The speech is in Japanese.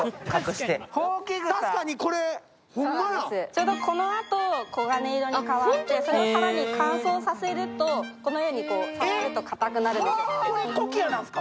ちょうどこのあと黄金色に変わってそれを更に乾燥させると、このように触ると固くなるんです。